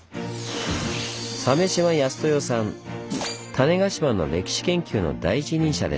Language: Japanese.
種子島の歴史研究の第一人者です。